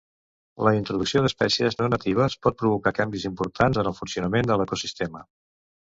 La introducció d'espècies no natives pot provocar canvis importants en el funcionament de l'ecosistema.